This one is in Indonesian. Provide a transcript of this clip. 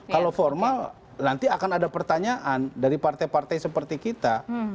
kalau formal nanti akan ada pertanyaan dari partai partai seperti kita